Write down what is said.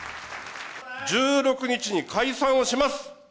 １６日に解散をします。